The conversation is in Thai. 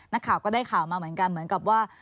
นักข่าวก็ได้ข่าวมาเหมือนกันเหมือนกับว่า